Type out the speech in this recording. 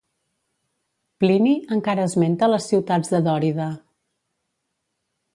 Plini encara esmenta les ciutats de Dòrida.